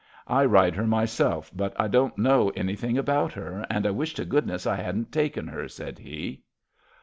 I ride her myself, but I don't know any thing about her, and I wish to goodness I hadn't taken her," said he.